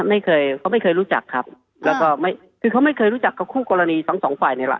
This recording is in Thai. ไม่เคยเขาไม่เคยรู้จักครับแล้วก็ไม่คือเขาไม่เคยรู้จักกับคู่กรณีทั้งสองฝ่ายนี่แหละ